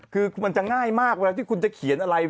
คือมันจะง่ายมากเวลาที่คุณจะเขียนอะไร